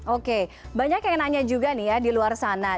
oke banyak yang nanya juga nih ya di luar sana